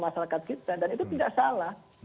masyarakat kita dan itu tidak salah